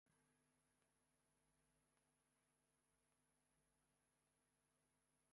The kernel of this homomorphism is the augmentation ideal of the algebra.